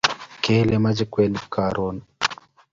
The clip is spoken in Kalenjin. Kela mache kwenik karon